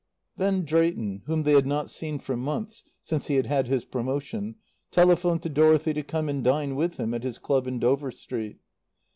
Then Drayton, whom they had not seen for months (since he had had his promotion) telephoned to Dorothy to come and dine with him at his club in Dover Street.